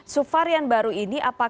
suparian baru ini apakah